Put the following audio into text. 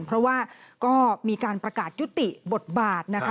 เพราะว่าก็มีการประกาศยุติบทบาทนะคะ